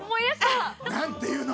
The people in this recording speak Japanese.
何て言うの？